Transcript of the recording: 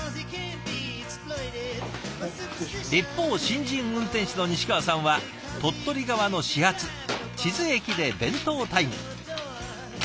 一方新人運転士の西川さんは鳥取側の始発智頭駅で弁当タイム。